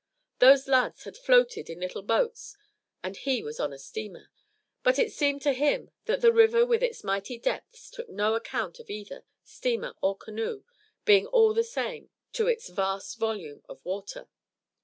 Those lads had floated in little boats and he was on a steamer, but it seemed to him that the river with its mighty depths took no account of either, steamer or canoe being all the same to its vast volume of water.